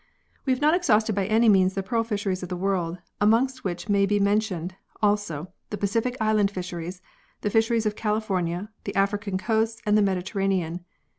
We have not exhausted by any means the pearl fisheries of the world, amongst which may be men tioned, also, the Pacific island fisheries, the fisheries of California, the African coasts and the Mediter ranean.